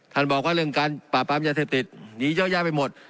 ท่านบอกว่าเรื่องการปรากปามยาเศษติทธิ์หยุดเยอะแยะไปหมด